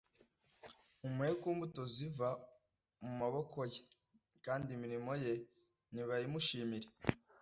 Mumuhe ku mbuto ziva mu maboko ye, kandi imirimo ye nibayimushimire